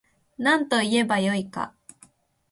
なんといえば良いか